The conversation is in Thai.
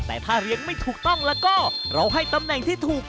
แต่ถ้าเรียงไม่ถูกต้องเราก็ให้ตำแหน่งที่ถูก